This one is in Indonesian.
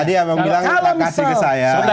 tadi yang bilang terima kasih ke saya